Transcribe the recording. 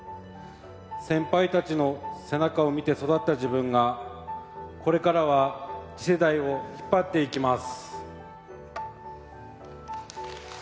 先輩たちの背中を見て育った自分がこれからは次世代を引っ張っていきます。